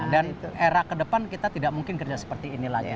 dan era ke depan kita tidak mungkin kerja seperti ini lagi